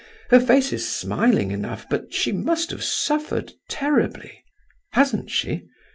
Her face is smiling enough, but she must have suffered terribly—hasn't she?